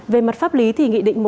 về mặt pháp lý thì nghị định